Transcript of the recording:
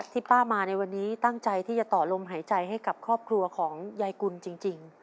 ที่ป้ามาในวันนี้ตั้งใจที่จะต่อลมหายใจให้กับครอบครัวของยายกุลจริง